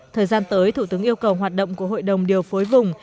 thời gian tới thủ tướng yêu cầu hoạt động của hội đồng điều phối vùng